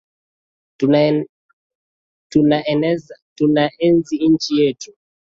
Tunaienzi nchi yetu.